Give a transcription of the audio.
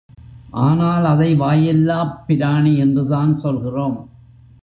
ஆனால் அதை வாயில்லாப் பிராணி என்றுதான் சொல்கிறோம்.